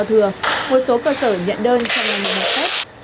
đào thừa một số cơ sở nhận đơn cho ngày mùa hè tết